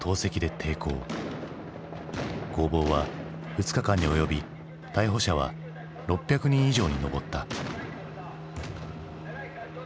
攻防は２日間に及び逮捕者は６００人以上に上った。